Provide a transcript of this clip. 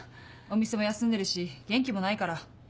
お店も休んでるし元気もないから。